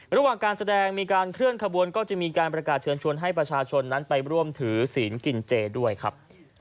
ระหว่างการแสดงมีการเคลื่อนขบวนก็จะมีการประกาศเชิญชวนให้ประชาชนนั้นไปร่วมถือศีลกินเจด้วยครับ